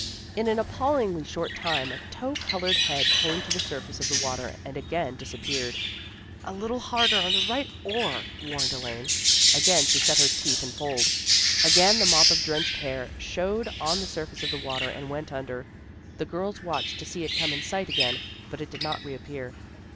In an appallingly short tune, a tow colored head came to the surface of the water and again disappeared. " A little harder on the right oar," warned Elaine. Again she set her teeth and pulled. Again the mop of drenched hah 1 showed on the surface of the water and went under. The girls watched to see it come in sight again, but it did not reappear.